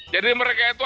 jadi mereka itu